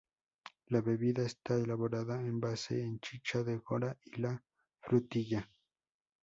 La bebida está elaborada en base de chicha de jora y la frutilla.